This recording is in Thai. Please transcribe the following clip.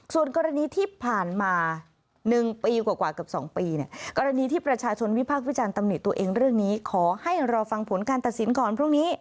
ส่วนกรณีที่ผ่านมา๑ปีกว่ากว่ากับ๒ปี